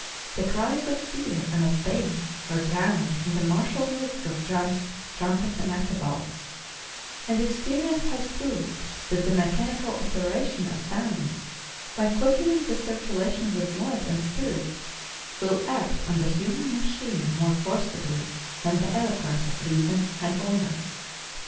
The cries of fear and of pain were drowned in the martial music of drums, trumpets, and atabals; and experience has proved that the mechanical operation of sounds, by quickening the circulation of the blood and spirits, will act on the human machine more forcibly than the eloquence of reason and honor.